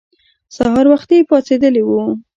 سهار وختي پاڅېدلي وو.